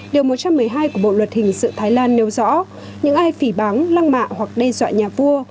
điều một trăm một mươi hai của bộ luật hình sự thái lan nêu rõ những ai phỉ báng lăng mạ hoặc đe dọa nhà vua